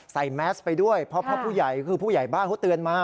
แมสไปด้วยเพราะผู้ใหญ่คือผู้ใหญ่บ้านเขาเตือนมา